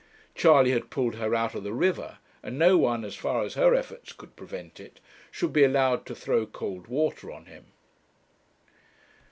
Charley had pulled her out of the river, and no one, as far as her efforts could prevent it, should be allowed to throw cold water on him.